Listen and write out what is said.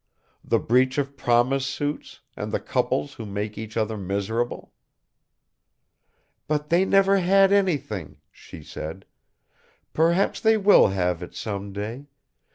The breach of promise suits, and the couples who make each other miserable?" "But they never had anything," she said. "Perhaps they will have it, some day.